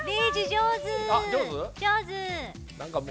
上手！